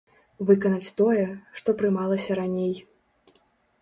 Выканаць тое, што прымалася раней.